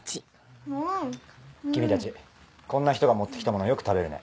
君たちこんな人が持って来たものよく食べるね。